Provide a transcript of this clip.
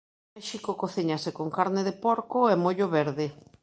En México cocíñase con carne de porco e mollo verde.